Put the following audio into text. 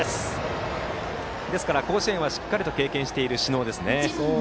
ですから、甲子園はしっかり経験している小竹です。